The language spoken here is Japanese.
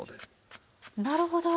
なるほど！